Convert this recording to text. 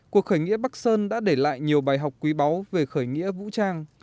cuộc khởi nghĩa bắc sơn đã để lại nhiều bài học quý báu về khởi nghĩa vũ trang